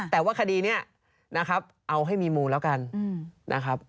แต่ว่าคดีนี้นะครับเอาให้มีมูลแล้วกันนะครับ